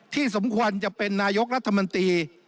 สมควรจะเป็นนายกรัฐมนตรี